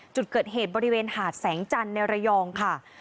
จุดเกิดเหตุบริเวณหาดแสงจันทร์ในระยองค่ะ